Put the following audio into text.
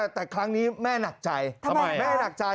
แต่ครั้งนี้แม่หนักใจ